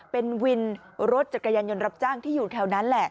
เป็นวินรถจักรยานยนต์รับจ้างที่อยู่แถวนั้นแหละ